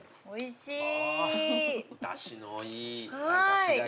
おいしい。